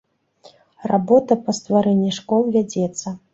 Работа па стварэнні школ вядзецца.